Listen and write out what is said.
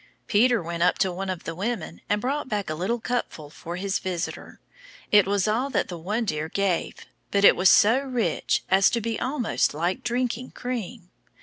Peder went up to one of the women, and brought back a little cupful for his visitor; it was all that one deer gave, but it was so rich as to be almost like drinking cream.